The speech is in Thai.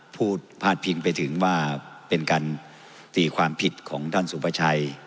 พาดพิงไปถึงว่าเป็นการตีความผิดของท่านสุภาชัย